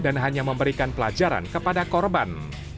dan hanya memberikan pelajaran kepada korban